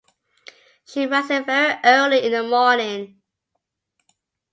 She rises very early in the morning.